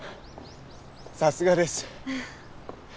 さすがです。